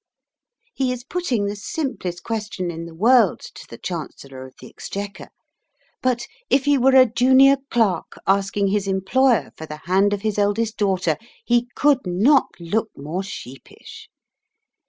He is putting the simplest question in the world to the Chancellor of the Exchequer, but if he were a junior clerk asking his employer for the hand of his eldest daughter he could not look more sheepish.